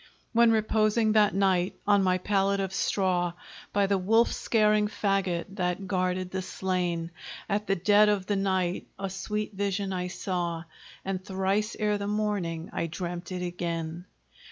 When reposing that night on my pallet of straw, By the wolf scaring fagot that guarded the slain, At the dead of the night a sweet vision I saw, And thrice ere the morning I dreamt it again.